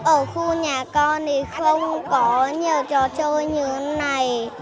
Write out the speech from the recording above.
ở khu nhà con thì không có nhiều trò chơi như thế này